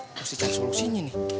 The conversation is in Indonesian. gimana caranya solusinya nih